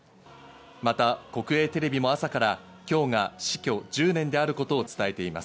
また国営テレビも朝から今日が死去１０年であることを伝えています。